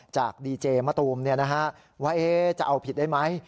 จากดีเจมะตูมเนี่ยนะฮะว่าจะเอาผิดได้ไหม